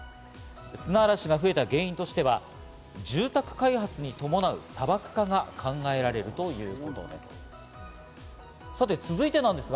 砂嵐が増えた原因としては住宅開発に伴う砂漠化が考えられるということです。